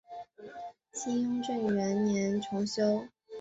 清雍正元年重修。